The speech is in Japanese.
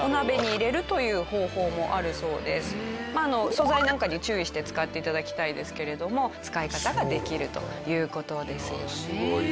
素材なんかに注意して使って頂きたいですけれども使い方ができるという事ですよね。